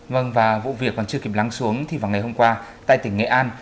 vâng và vụ việc còn chưa kịp lắng xuống thì vào ngày hôm qua tại tỉnh nghệ an